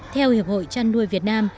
theo hiệp hội trăn nuôi việt nam